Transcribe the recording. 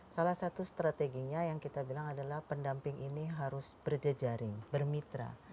salah satu strateginya yang kita bilang adalah pendamping ini harus berjejaring bermitra